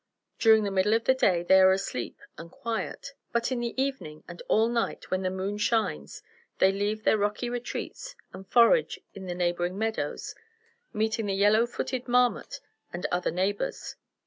During the middle of the day they are asleep and quiet; but in the evening and all night when the moon shines they leave their rocky retreats and forage in the neighboring meadows, meeting the yellow footed marmot and other neighbors.